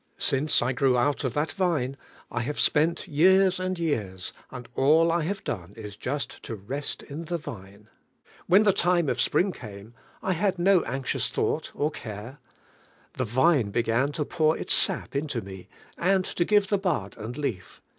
Since I grew nut of tlnil vine 1 have spent years and years, and all I have done is just lo rest in the viae. When l„. lime of spring came I had no anxious (hnughl "c enre. The vine began lo pour its sup into ine, and to give the bud and leaf.